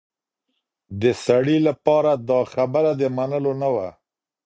د سړي لپاره دا خبره د منلو نه وه.